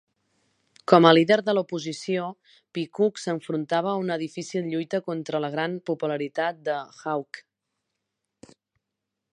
Com a líder de l'oposició, Peacock s'enfrontava a una difícil lluita contra la gran popularitat de Hawke.